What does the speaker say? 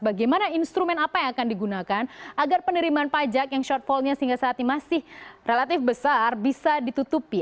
bagaimana instrumen apa yang akan digunakan agar penerimaan pajak yang shortfallnya sehingga saat ini masih relatif besar bisa ditutupi